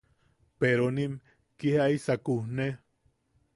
Peronim kia jaisa kujne.